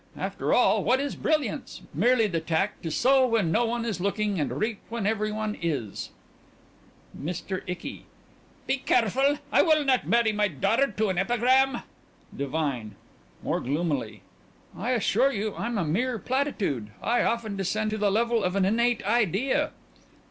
After all what is brilliance? Merely the tact to sow when no one is looking and reap when every one is. MR. ICKY: Be careful. ... I will not marry my daughter to an epigram.... DIVINE: (More gloomily) I assure you I'm a mere platitude. I often descend to the level of an innate idea.